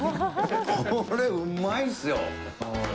これ、うまいっすよ。